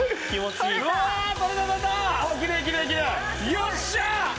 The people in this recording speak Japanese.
よっしゃあ！